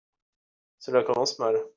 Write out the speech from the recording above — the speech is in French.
Cela commence mal